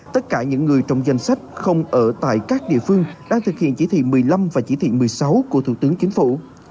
tất cả những người trong danh sách không ở tại các địa phương đang thực hiện chỉ thị một mươi năm và chỉ thị một mươi sáu của thủ tướng chính phủ